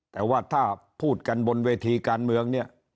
แต่ว่าถ้าพูดกันบนเวทีการเมืองเนี่ย